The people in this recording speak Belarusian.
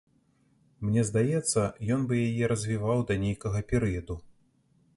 Мне здаецца, ён бы яе развіваў да нейкага перыяду.